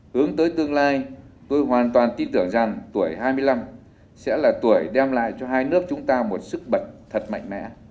hướng tới tương lai tôi hoàn toàn tin tưởng rằng tuổi hai mươi năm sẽ là tuổi đem lại cho hai nước chúng ta một sức bật thật mạnh mẽ